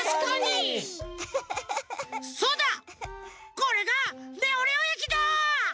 これがレオレオえきだ！